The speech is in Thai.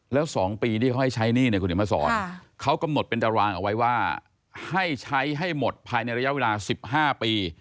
แล้ว๒ปีที่เขาให้ใช้หนี้เนี่ยคุณเห็นมาสอนเขากำหนดเป็นตารางเอาไว้ว่าให้ใช้ให้หมดภายในระยะเวลา๑๕ปี